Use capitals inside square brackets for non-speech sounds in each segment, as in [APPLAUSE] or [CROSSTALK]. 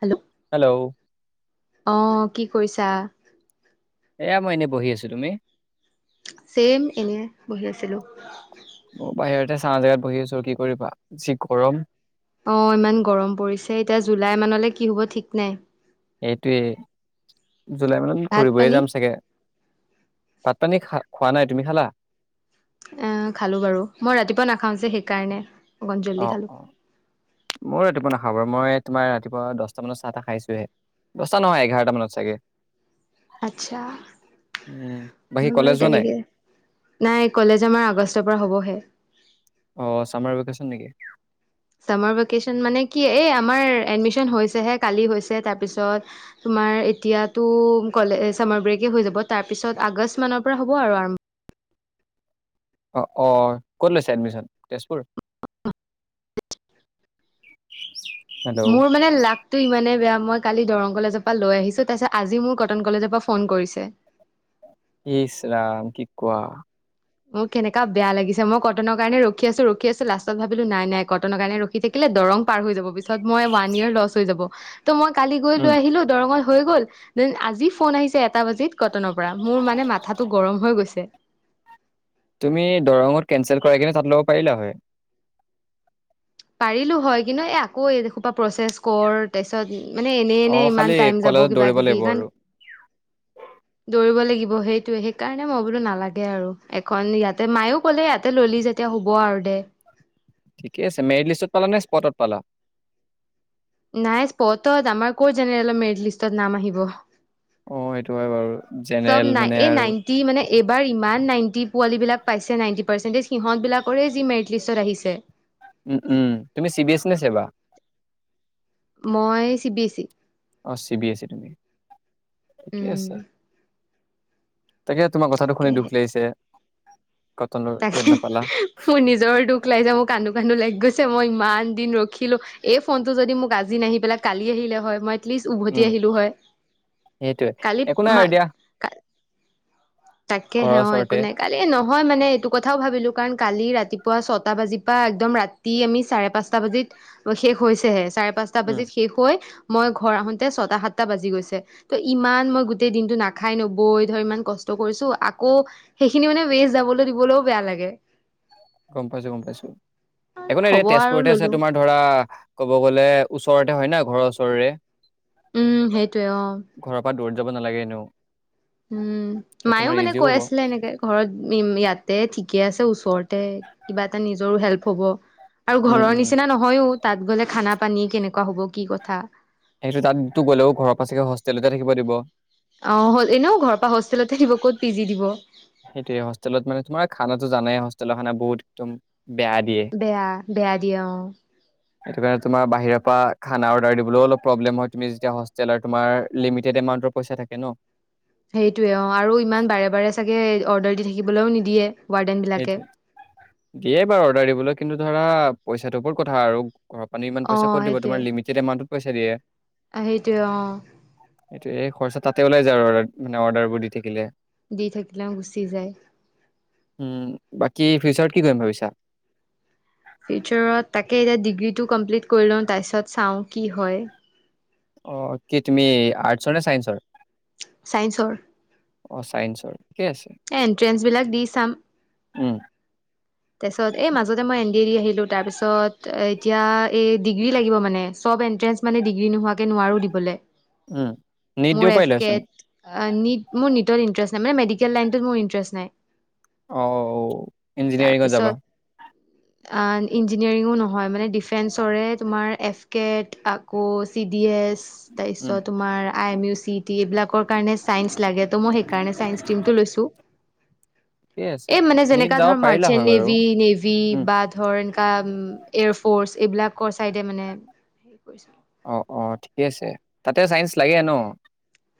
Hello hello অ কি কৰিছে? তা। এয়া মই এনেই বহি আছো তুমি। চইম এনে বহি আছিলো? বাহিৰতে চাহ জেগাত বহি আছো আৰু কি কৰিবা যি গৰম। অ ইমান গৰম পৰিছে এতিয়া জুলাই মানলৈ কি হব ঠিক নাই। এইটোৱেই? জুলাই মানত ভাত ঘূৰিবয়ে পানী যাম চাগে। পাতানী খা। খোৱা নাই তুমি খালা। এ খালো বাৰু মই ৰাতিপুৱা নাখাও যে সেইকাৰণে? অকণ জল্দি অ খালো অ মই ৰাতিপুৱা নাখাই বাৰু। তোমাৰ ৰাতিপুৱা দছটা মানত চাহ তাহ খাইছোহে দছটা নহয় এঘাৰটা মানত চাগে আচ্ছা উম বাকী কলেজ মোৰ যোৱা নাই তেনেকে নাই কলেজ আমাৰ আগষ্টৰ পা হবহে অ চামাৰ ভিকেচন নিকি চামাৰ ভিকেচন মানে কি এই আমাৰ এডমিচন হৈছেহে কালি হৈছে তাৰপিছত তোমাৰ এতিয়াটো কলে চামাৰ ব্ৰেকে হৈ যাব তাৰপিছত আগছ মানৰ পৰা হ'ব আৰম অ অ ক'ত লৈছা এডমিচন তেজপুৰ হেল্ল' মোৰ মানে লাগটো ইমানেই বেয়া মই কালি দৰং কলেজৰ পৰা লৈ আহিছো তা--ছত আজি মোৰ কটন কলেজৰ পৰা ফোন কৰিছে ইছৰাম কি কোৱা মোৰ কেনেকা বেয়া লাগিছে মই কটনৰ কাৰণে ৰখি আছো ৰখি আছো লাষ্টত ভাবিলো নাই নাই কটনৰ কাৰণে ৰখি থাকিলে দৰং পাৰ হৈ যাব পিছ পিছত মই ওৱান ইয়েৰ লছ হৈ যাব ত' মই কালি গৈ উম লৈ আহিলো দৰঙত হৈ গ'ল দেন আজি ফোন আহিছে এটা বাজিত কটনৰ পৰা মোৰ মানে মাথাটো গৰম হৈ গৈছে তুমি দৰঙত কেনচেল কৰাই কিনে তাত ল'ব পাৰিলা হয় পাৰিলোঁ হয় কিন্তু এই আকৌ এ হোপা প্ৰচেছ কৰ তা--ছত মানে এনে অ এনে খালি ইমান টাইম যাব কলেজত কিবা দৌৰিব কিবি লাগিব কাৰণ আৰু দৌৰিব লাগিব সেইটোয়ে সেইকাৰণে মই বোলো নালাগে আৰু এখন ইয়াতে মায়েও ক'লে ইয়াতে ল'লি যেতিয়া হব আৰু দে ঠিকে আছে মেৰিট লিষ্টত পালা নে স্পটত পালা নাই স্পটত আমাৰ ক জেনেৰেল মেৰিট লিষ্টত নাম আহিব অ', সেইটো হয় বাৰু চব জেনেৰেল নাই মানে এই আৰু নাইনটি মানে এইবাৰ ইমান নাইনটি পোৱালী বিলাক পাইছে নাইনটি পাৰ্চেণ্টিজ সিহঁতবিলাকৰে যি মেৰিট লিষ্টত আহিছে উম উম তুমি চি বি এছ ই নে ছেবা মই চি বি এছ ই অঁ চি বি এ চি তুমি ঠিকে উম আছে তাকে তোমাৰ কথাটো শুনি তাকেহে দুখ লাগিছে কটনৰ ইয়াত তাকে নাপালা মোৰ নিজৰ দুখ লাগিছে মোৰ কান্দো কান্দো লাগি গৈছ ছে মই ইমান দিন ৰখিলো এই ফোনটো যদি মোক আজি নাহি পেলাই কালি আহিলে হয় মই লিষ্ট উভতি উম, আহিলো হয় সেইটোয়ে একো নাই কালিত আৰু মই দিয়া কা তাকে ঘৰৰ হে হয় একো ওচৰতে নাই কালিয়ে ল হয় মানে এইটো কথাও ভাবিলো কাৰণ কালি ৰাতিপুৱা ছটা বাজি পৰা একদম ৰাতি আমি চাৰে পাঁচটা বাজিত শেষ হৈছেহে চাৰে পাঁচটা উম, বাজিত শেষ হৈ মই ঘৰ আহোতে ছটা সাতটা বাজি গৈছে ত ইমান মই গোটেই দিনতটো নাখাই নবৈ ধৰ ইমান কষ্ট কষ্ট কৰিছো আকৌ সেইখিনি মানে ৱেচ যাবলে দিবলেও বেয়া লাগে গম পাইছো গম পাইছো একো নাই হ'ব এতিয়া আৰু তেজপুৰতে আছে ললো তোমাৰ ধৰা ক'ব গ'লে, ওচৰতে হয় না, ঘৰৰ ওচৰৰে। উম! সেইটোৱে অ'! ঘৰৰ পৰা দৌৰি যাব নালাগেনো। উম, মায়ো মানে, কৈ আছিলে এনেকে ঘৰত ইয়াত দে ঠিকে আছে ওচৰতে। কিবা এটা নিজৰো হেল্প হ'ব। আৰু উম, ঘৰৰ উম, নিচিনা নহয়ো। তাত গ'লে খানা পানী কেনেকুৱা হ'ব? কি কথা? সেইটো তাতো গ'লেও ঘৰৰ পাছে হোষ্টেলতে থাকিব দিব। অ'! এনেও ঘৰৰ পৰা হোষ্টেলতে থাকিব ক'ত পি জি দিব। সেইটোৱে হোষ্টেলত মানে, তোমাৰ খানাটো জানাই হোষ্টেলৰ খানা বহুত একদম বেয়া দিয়ে বেয়া, বেয়া দিয়ে অ'! সেইটো কাৰণে, তোমাৰ বাহিৰৰ পৰা খানা অৰ্ডাৰ দিবলৈও অলপ প্ৰব্লেম হয়। তুমি যেতিয়া হোষ্টেল তোমাৰ লিমিটেড এমাণ্টৰ পইচা থাকে ন'। সেইটোৱে অ'! আৰু ইমান বাৰে, বাৰে চাগে অৰ্ডাৰ দি থাকিবলৈও নিদিয়ে। ৱাৰ্ডেন বিলাকে সেইটোৱে দিয়ে বাৰু অৰ্ডাৰ দিবলৈ। কিন্তু, ধৰা পইচাটো ওপৰত কথা আৰু। ঘৰৰ পৰানো ইমান অ পইচা ক' দিব। তোমাৰ লিমিটেড এমাউন্ট পইচা দিয়ে। অ'! সেইটোৱে অ'! এই খৰচা তাতে ওলাই যায় আৰু মানে, অৰ্ডাৰ বোৰ দি থাকিলে। দি থাকিলেও গুচি যায়। উম, বাকী ফিউচাৰত কি কৰিম ভাবিছা? ফিউচাৰত তাকে, এতিয়া ডিগ্ৰীটো কমপ্লিট কৰি লওঁ, তাৰপিছত চাওঁ কি হয়। অ'! কি তুমি আৰ্টছৰ নে চাইন্সৰ? ছাইন্সৰ। অ'! চাইন্সৰ। ঠিকে আছে এ, এনট্ৰেঞ্চবিলাক দি চাম। উম! তাৰপিছত এই মাজতে মই এ এৰি আহিলোঁ। তাৰপিছত, এতিয়া এই ডিগ্ৰী লাগিব মানে চব এন্ট্ৰেঞ্চ মানে, ডিগ্ৰী নোহোৱাকে নোৱাৰোঁ দিবলৈ। উম নিট দিব মোৰ পাৰিলাচোন এফকেট নিট মোৰ নিট ইণ্টাৰেষ্ট নাই। মানে, মেডিকেল লাইনটোত মোৰ ইন্টাৰেষ্ট নাই। অ'! ইঞ্জিনিয়াৰিঙত যাবা? আঁ ইঞ্জিনিয়াৰিঙো নহয়। মানে, ডিফেন্সৰে তোমাৰ এফ কেট আকৌ চি ডি এছ উম, তাৰপিছত তোমাৰ I M U C T এইবিলাক ৰ কাৰণে চাইন্স লাগে। ত' মই সেইকাৰণে, চাইন্স টিমটো লৈছোঁ। আছে এই মানে মিত যেনেকা যাব ধৰ পাৰিলা- মাৰ্চেণ্ট হয় বাৰু। নেভি নেভিী উম, বা ধৰ এনকা এয়াৰ ফৰ্চ এইবিলাকৰ চাইডে মানে হে কৰিছে। অ অ ঠিকে আছে তাতে চাইন্ঞ্চ লাগে ন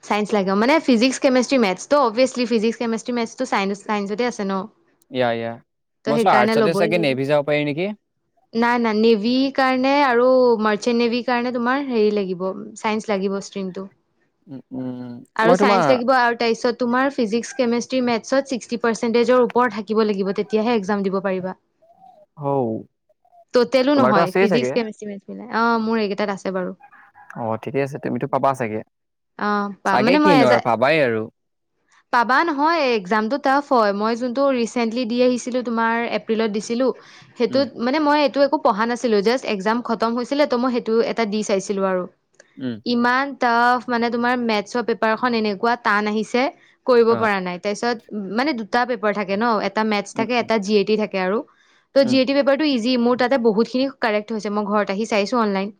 চাইন্স লাগে মানেিজিক্স কেমেষ্ট্ৰি মেথছটো অ'ভিয়চলি ফিজিক্স কেমেষ্ট্ৰ মেথছ চাইন্ঞ্চতে আছে ন ইয়া ইয়া। ত মই চোন সেইকাৰণে আৰ্টছতে ল'বই চাগে নেভি যাব পাৰি নেকি? লাগিব নাই ন নেভ কাৰণে আৰু মাৰ্চেন্ নেভ কাৰণ, তোমাৰ হেৰি লাগিব চাইন্স লাগিব ইক্ৰনটো উম, উম, আৰু মই তোমাৰ চাইন্স লাগিব আৰু তাৰ পিছত তোমাৰ ফিজিক্স মেট্ৰ' মেচ্ চত চিকুটি পাৰচেটিচ ওপৰত থাকিব লাগিব তেতিয়াহে একজাম দিব পাৰিবা। হৌ ত তেলো তোমাৰতো নহয় আছেই চাগে? ফিজিক্স কেমেষ্ট্ৰি মেচ পলোই অ মোৰ এইকেইটাত আছে বাৰু, অ ঠিকে আছে তুমিতো পাবা চাগে অ পাম চাগে মানে মই কিনো এজা আৰু ভাবাই আৰু অ পাবা নহয় একজাম টাফ হয় মই যোন ৰিচেন্লি দি আহিছিলো তোমাৰ এপ্ৰিলত দিছিলো। উম, সেইটোত মানে মই এইটো পঢ়া নাছিলো জাষ্ট এক্জাম খতম হৈছিলে ত মই সেইটো এটা দি চাইছিলো আৰু উম, ইমান ফ মানে তুমাৰ মেথছৰ পেপাৰখন এনেকুৱা টান আহিছে কৰিব অ', পৰা নাই তাৰপিছত উ মানে দুটা পেপাৰ থাকে ন এ মেচ্ উম, থাকে উম, এটা জি এ টি থাকে। তাকে আৰু ত উম, জিএ টি পেপাৰটো ইজি যি মোৰ তাতে বহুতখিনি কাৰেক্ট হৈছে মই ঘৰত আহি চাইছো অনলাইন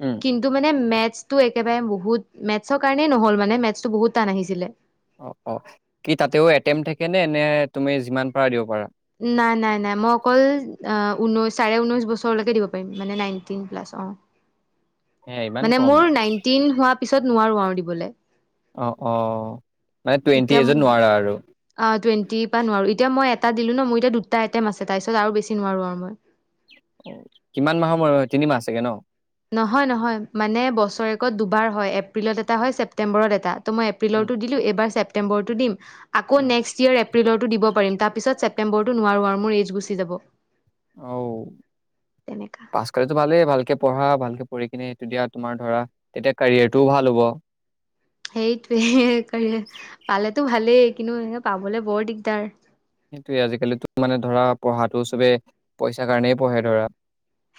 উম, কিন্তু মানে মেচ্ মটো একেবাৰে বহুত মেথছৰ কাৰণেই নহল মানে মেথছো বহুত টান আহিছিলে। অ অ কি তাতেও এটেম থাকে নে নে তুমি যিমান পাৰা দিব পাৰা নাই নাই নাই মই অকল ঊনৈশ চাৰে ঊনৈশ বছৰলৈকে দিব পাৰিম মানে নাইনটিন প্লাছ অ হে ইমান মানে কম। মোৰ নাইনটিন হোৱা পিছত নোৱাৰো আৰু দিবলৈ- অ অ মানে টুৱেণ্টি এজনত নোৱাৰা আৰু দিবা নোৱাৰো এতিয়া মই এটা দিলো ন মোৰ এতিয়া দুটা আইটেম আছে তাৰপিছত আৰু বেছি নোৱাৰো আৰু মই কিমান মাহৰ ম তিনি মাহ চাগে ন নহয় নহয় মানে বছৰেকত দুবাৰ হয় এপ্ৰিলত এটা হয় ছেপ্তেম্বৰত এটা ত মই উম, এপ্ৰিলতো দিলো এইবাৰ ছেপটেম্বৰটো দিম আকৌ উম। নেক্স ইয়েৰ এপ্ৰিলৰতো দিব পাৰিম তাৰপিছত ছেপ্টেম্বৰটো নোৱাৰোঁ আৰু মোৰ এইজ গুচি যাব অ তেনেকা পাছ কৰিলেতো ভালেই ভালকে পঢ়া ভালকে পঢ়ি কিনে সেইটো দিয়া তোমাৰ ধৰা তেতিয়া কেৰিয়াৰটোও ভাল হ'ব সেইটোৱে পালেতো ভালেই কিন্তু এ পাবলে বৰ দিগদাৰ সেইটোয়ে আজিকালিতো মানে ধৰা পঢ়াটো চবে পইচাৰ কাৰণেই পঢ়ে ধৰা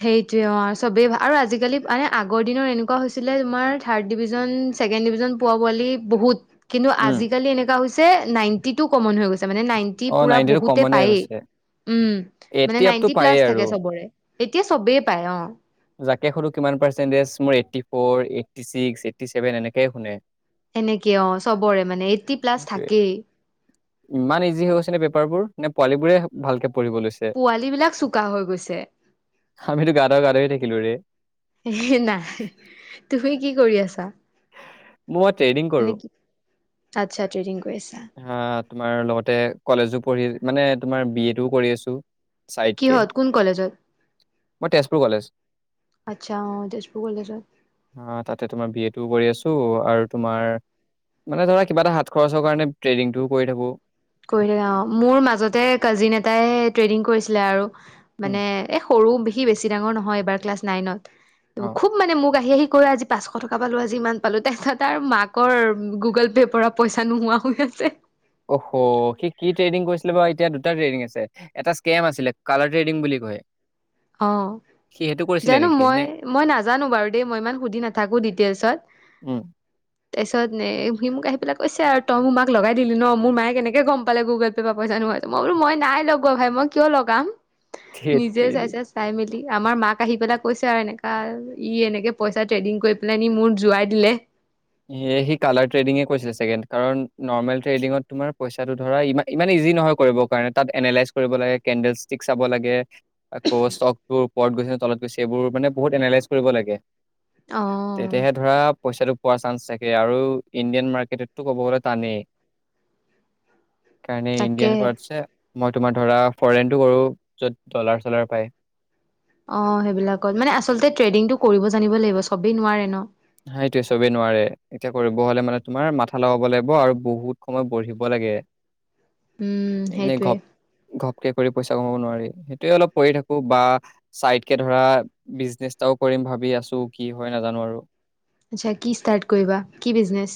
সেইটোৱে অ চবেই ভ আৰু আজিকালি মানে আগৰ দিনৰ এনেকুৱা হৈছিলে তোমাৰ থাৰ্ড ডিভিজন ছেকেণ্ড ডিভিজন পোৱা পোৱালি বহুত কিন্তু উম আজিকালি এনেকুৱা হৈছে নাইনটি টু কমন হৈ গৈছে মানে নাইনটি অ পুৰা নাইনটিটো বহুতে কমনে হৈ পায়েই গৈছে উম মানে এইটটি আপটো নাইনটি প্লাছ পায়েই আৰু থাকে চবৰে এতিয়া চবেই পায় অ তাকে সুধো কিমান পাৰ্চেন্টেজ মোৰ eighty four eighty six eighty seven এনেকে শুনে এনেকে অ চবৰে মানে এইটটি প্লাছ সেইটোয়ে থাকেই ইমান ইজি হৈ গৈছে নে পেপাৰবোৰ নে পোৱালী বোৰে ভালকে পঢ়িব লৈছে পোৱালী বিলাক চোকা হৈ গৈছে আমিতো গাধ গাধৰে থাকি নাই তুমি কি কৰি আছা মই মই ট্ৰেইনিং মানে কৰো কি আচ্ছা ট্ৰেডিং কৰি আছা তোমাৰ লগতে কলেজো পঢ়ি মানে তোমাৰ বি এডটোও কৰি আছো চাইডকে কিহত কোন কলেজত মই তেজপুৰ কলেজ। আচ্ছা অহ তেজপুৰ কলেজত আ তাতে তোমাৰ বি এটোও কৰি আছো আৰু তোমাৰ মানে ধৰা কিবা এটা হাত খৰচৰ কাৰণে ট্ৰেডিং টো কৰি থাকো কৰি থাকে অ মোৰ মাজতে কাজিন এটাই ট্ৰেডিং কৰিছিলে আৰু উম, মানে এই সৰু সি বেছি ডাঙৰ নহয় এবাৰ ক্লাচ নাইনত অ', খুব মানে মোক আহি আহি কৈ আজি পাঁচশ টকা পালো আজি ইমান পালো তাৰ পিছত আৰু মাকৰ গুগল পেৰ পৰা পইচা নোহোৱা হৈ আছে অহ সি কি ট্ৰেডিং কৰিছিলে বাৰু এতিয়া দুটা ট্ৰেডিং আছে এটা স্কেম আছিলে কালাৰ ট্ৰেডিং বুলি কয় অ সি সেইটো কৰিছিলে জানো নেকি মই নে মই নাজানো বাৰু দেই মই ইমান সুধি নাথাকো ডিটেইলছত উম, তাৰপিছত নে সি মোক আহি পেলাই কৈছে আৰু তই মোক মাক লগাই দিলি ন মোৰ মায়ে কেনেকে গম পালে গুগল পে'ৰ পইচা নোহোৱা হৈছে মই বোল মই নাই লগোৱা ভাই মই কিয় লগাম থেত নিজে তেৰি চাইছে চাই মেলি আমাৰ মাক আহি পেলাই কৈছে আৰু এনেকা ই এনেকে পইচা ট্ৰেডিং কৰি পেলাই নি মোৰ জোৱাই দিলে সি কালাৰ ট্ৰেডিঙে কৰিছিলে চাগে কাৰণ নৰ্মেল ট্ৰেডিঙত তোমাৰ পইচাটো ধৰা ইমান ইজি নহয় কৰিবৰ কাৰণে তাত এনালাইচ কৰিব লাগে কেণ্ডেল ষ্টিক চাব লাগে কষ্ট অক্ৰোপ ওপৰত গৈছে তলত গৈছে এইবোৰ মানে বহুত এনলাইজ কৰিব লাগে। অঁ তেতিয়াহে ধৰা পইচাটো। পোৱা চান্স থাকে আৰু ইণ্ডিয়ান মাৰ্কেটতটো ক'ব গ'লে টানেই। কাৰণ ইণ্ডিয়ান তাকেহে কোৱাটছে- মই তোমাৰ ধৰা ফৰেইনটো কৰো য'ত ডলাৰ চালাৰ পায়। অ সেইবিলাকত মানে আচলতে ট্ৰেডিংটো কৰিব জানিব লাগিব চবেই নোৱাৰে ন। সেইটোৱে চবেই নোৱাৰে এতিয়া কৰিব হ'লে মানে তোমাৰ মাথা লগাব লাগিব আৰু বহুত সময় বঢ়িব লাগে। উম এনেই সেইটোৱে ঘপ ঘপকে কৰি পইচা কমাব নোৱাৰে। সেইটোৱে অলপ কৰি থাকোঁ বা চাইড কে ধৰা বিজনেচটাও কৰিম ভাবি আছোঁ কি হয় নাজানোঁ আৰু। আচ্ছা কি ষ্টাৰ্ট কৰিবা কি বিজনেছ?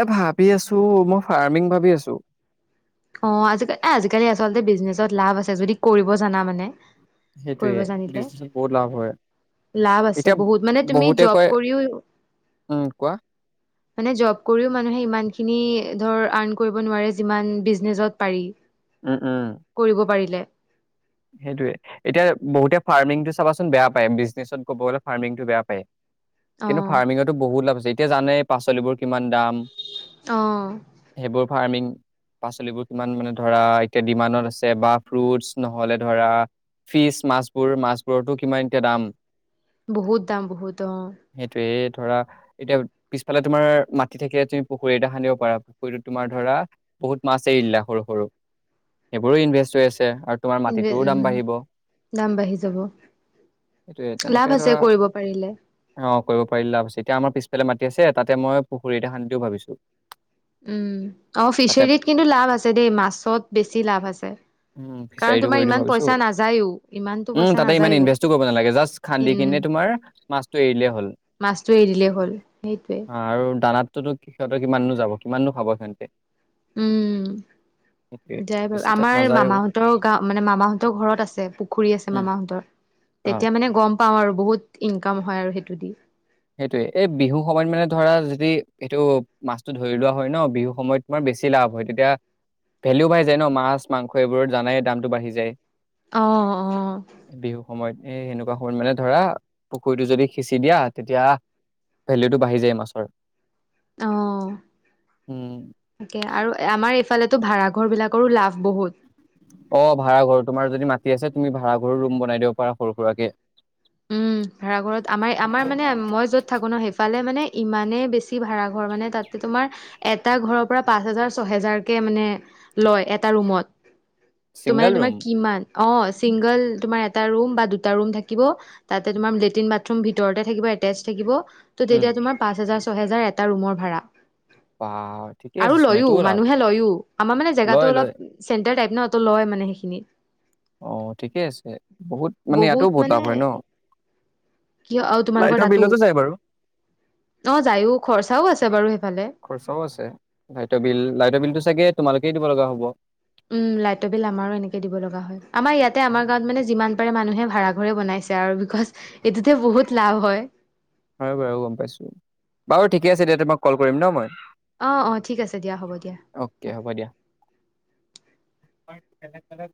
এ ভাবি আছোঁ মই ফাৰ্মিং ভাবি আছোঁ। অ আজিকালিৰ এ আজিকালি আচলতে বিজনেচত লাভ আছে যদি কৰিব জানা মানে। কৰিব সেইটোয়ে জানিলে বিজনেচত বহুত লাভ হয়। লাভ আছে এতিয়া বহুত মানে তুমি বহুতে জব কয় কৰিও উম কোৱা মানে জব কৰিও মানুহে ইমানখিনি। ধৰ আৰ্ণ কৰিব নোৱাৰে যিমান বিজ- বিজনেজত পাৰি। উম, উম, কৰিব পাৰিলে। সেইটোয়ে এতিয়া বহুতে ফাৰ্মিংটো চাবাচোন বেয়া পায় বিজনেছত ক'ব গলে ফাৰ্মিং টো বেয়া পায়। কিন্তু অঁ। ফাৰ্মিঙতো বহুত লাভ আছে। এতিয়া জানে পাচলিবোৰ। কিমান দাম অ সেইবোৰ। ফাৰ্মিং পাচলিবোৰ কিমান মানে ধৰা এতিয়া দিমানত আছে বা ফুৰুতচ ন- নহ'লে ধৰা ফিচ মাছবোৰ মাছবোৰতো কিমান এতিয়া দাম। বহুত দাম বহুত অ সেইটোয়ে ধৰা এতিয়া পিছফালে তোমাৰ মাটি থাকিলে তুমি পুখুৰী এটা খানিব পাৰা পুখুৰীতত তোমাৰ ধৰা বহুত মাছ এৰিলা সৰু সৰু সেইবোৰো ইনভেষ্ট হৈ আছে আৰু। তোমাৰ উ মাটিটোৰো দাম বাঢ়িব। দাম বাঢ়ি যাব সেইটোয়ে তেনেকে লাভ আছে ধৰা কৰিব পাৰিলে। অ কৰিব পাৰিলে লাভ আছে এতিয়া আমাৰ পিছফালে মাতি আছে তাতে মই পুখুৰীতে খান্দি দিওঁ ভাবিছোঁ। উম অ ফিচাৰীত কিন্তু লাভ আছে দেই মাছত বেছি লাভ আছে। উ কাৰণ ফিচাৰটো তোমাৰ কৰি দিও ইমান ভাবিছোঁ পইচা নাযায়ও ইমানতো উ পইচা তাতে ইমান নাযায়ও ইনভে কৰিব নালাগে জাষ্ট খান্দি উম কিনে তোমাৰ মাছ এৰিলে হ'ল মাছটো এৰি দিলেই হ'ল সেইটোৱে অ আৰু। দানাতটোতো সিহঁতে কিমাননো যাব কিমাননো খাব সিহঁতে। উম সেইটোৱে যাই বাৰু বেছি আমাৰ। তাত আমাৰ নাযায়ও মামাহঁতৰ গাওঁ মানে মামাহঁতৰ ঘৰত আছে পুখুৰী আছে উম মামাহঁতৰ অ তেতিয়া মানে গম- পাওঁ আৰু বহুত ইনকাম হয় আৰু সেইটো দি। সেইটোৱে এই বিহু সময়ত মানে ধৰা যদি এইটো মাছটো ধৰি লোৱা হয় ন। বিহু সময়ত তোমাৰ বেছি লাভ হয় তেতিয়া ভেলিও বাঢ় যায় ন মাছ মাংস এইবোৰত জানাই দামটো বাঢ়ি যায়। অহ অহ এ সেনেকুৱা হ'ল মানে ধৰা পুখুৰীটো যদি সিঁচি দিয়া। তেতিয়া ভেলুটো বাঢ়ি যায় মাছৰ। অঁ উম তাকে আৰু আমাৰ পালেতো ভড়াৰ বিলাকো লাভ বহুত। অ ভাড়াঘৰ তোমাৰ যদি মা ঠিক আছে তুমি ভাড়া ঘৰুৰ ৰুম বনাই দিব পাৰা সৰু সুৰাকে উম ভ়াঘৰত আমাৰ আমাৰ মানে মই যত থাকো ন সেইফালে। মানে ইমানেইে বেছি ভাড়া ঘৰ মানে তাতে তোমাৰ এটা ঘৰৰ পৰা পাঁচ হেজাৰ ছহেজাৰ কেে মানে লয় এটা ৰুমত ত ছিংগল মানে ৰুম তোমাৰ কিমান। অ চিংগল তোমাৰ এটা ৰুম বা দুটা ৰুম থাকিব। তাতে তোমাৰ লেট্ৰিন বাথৰুম ভিতৰতে থাকিব এটেচ থাকিব [INAUDIBLE] উম এটা ৰুমৰ ভাড়া বা ঠিকে আৰু আছে চোন লয়ো এইটোও লাভ মানুহে লয়ো আমাৰ মানে জেগো লয় অলপ লয় চেন্টাৰ ন তো লয় মানে সেইখিনিত অ ঠিকেই আছে। বহুত মানে ইয়াতোও বহুত লাভ হয় ন কিয় আৰু তোমালোকৰ লাইটৰ তাতো বিলতো চাই বাৰু অ যায়ো খৰচাও আছে বাৰু সেইফালে খৰচাও আছে লাইটৰ বিল লাইটৰ বিলটো চাগে তোমালোকে দিব লগা হ'ব উম লাইটৰ বিল আমাৰো এনেকে দিব লগা হয় আমাৰ ইয়াতে আমাৰ গাঁৱত মানে যিমান মানুহে ভড়া ঘৰে বনাইছে আৰু বিকজ এইটোতে বহুত লাভ হয় হয় বাৰু গম পাইছো বাৰু ঠিকে আছে তেতিয়া মই কল কৰিম ন মই অ অ ঠিক আছে দিয়া হ'ব দিয়া অ। এলগ তলগ